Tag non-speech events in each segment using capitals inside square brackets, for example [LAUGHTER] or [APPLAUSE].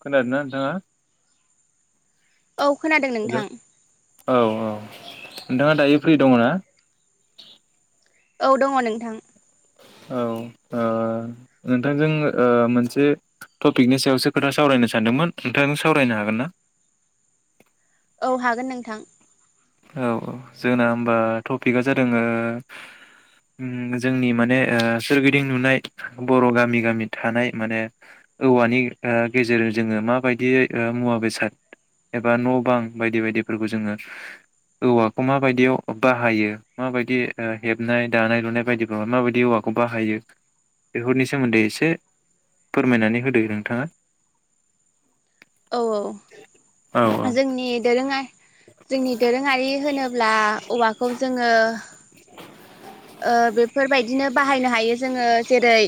खोनादों ना नोंथाङा औ खोनादों हेल' नोंथां औ औ नोंथाङा दायो फ्रि दङ ना औ दङ नोंथां औ नोंथांजों मोनसे टपिकनि सायावसो खोथा सावरायनो सानदोंमोन नोंथांजों सावरायनो हागोन ना औ हागोन नोंथां औ औ जोंना होमबा टपिकआ जादों जोंनि माने सोरगिदिं नुनाय बर' गामि गामि थानाय माने औवानि गेजेरजों जोङो माबायदि मुवा बेसाद एबा न' बां बायदि बायदिफोरखौ जोङो औवाखौ माबायदियाव बाहायो माबायदि हेबनाय दानाय लुनाय बायदिफ्राव माबायदि औवाखौ बाहायो बेफोरनि सोमोन्दै एसे फोरमायनानै होदो नोंथाङा औ औ जोंनि दोरोङा जोंनि दोरोङारि होनोब्ला औवाखौ जोङो ओ बेफोरबायदिनो बाहायनो हायो जोङो जेरै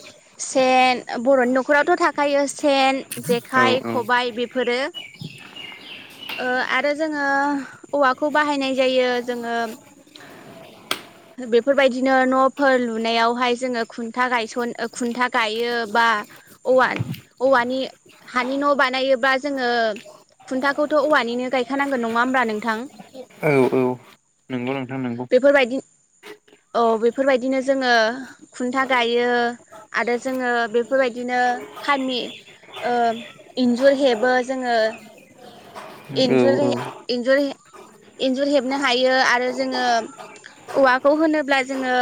सेन बर'नि न'खरावथ' थाखायो सेन जेखाइ औ खबाइ बेफोरो आरो जोङो [UNINTELLIGIBLE] औवाखौ बाहायनाय जायो। जोङो बे बेफोरबायदिनो न'फोर लुनायावहाय जोङो खुनथा गायसन खुनथा गायो बा औवा औवानि हानि न' बानायोबा जोङो खुनथाखौथ' औवानिनो गायखानांगोन नङा होमब्ला नोंथां औ औ नंगौ नोंथां नंगौ। बेफोरबायदि औ बेफोरबायदिनो जोङो खुन्था गायो आरो जोङो बेफोरबायदिनो खामि इनजुर हेबो जोङो औ एन्जुर औ एन्जुर इन्जुर हेबनो हायो आरो जोङो औवाखौ होनोब्ला जोङो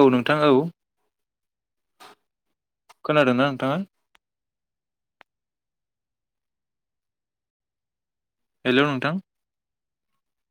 औ नोंथां औ खोनादोंना नोंथांआ हेलौ, नोंथां